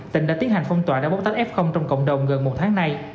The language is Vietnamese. tỉnh đã tiến hành phong tỏa đã bốc tách f trong cộng đồng gần một tháng nay